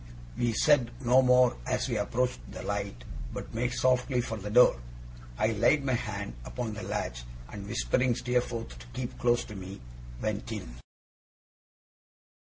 We said no more as we approached the light, but made softly for the door. I laid my hand upon the latch; and whispering Steerforth to keep close to me, went in.